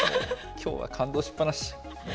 きょうは感動しっぱなし。